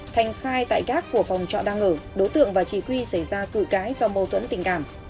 thành khai tại gác của phòng trọ đang ở đối tượng và chị quy xảy ra cử cái do mâu thuẫn tình cảm